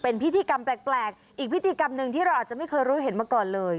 เป็นพิธีกรรมแปลกอีกพิธีกรรมหนึ่งที่เราอาจจะไม่เคยรู้เห็นมาก่อนเลย